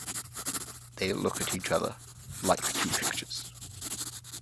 They look at each other, like two pictures.